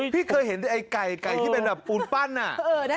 พี่เคยเห็นแต่ไอ้ไก่ไก่ที่เป็นแบบปูนปั้นอ่ะ